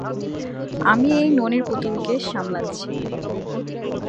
আমি এই ননীর পুতুলকে সামলাচ্ছি।